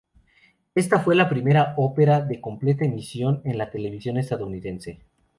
Esta fue la primera ópera de completa emisión en la televisión estadounidense.